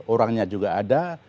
orangnya juga ada